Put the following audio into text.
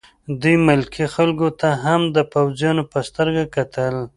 دوی ملکي خلکو ته هم د پوځیانو په سترګه کتل